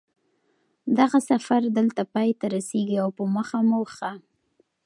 دغه سفر دلته پای ته رسېږي او په مخه مو ښه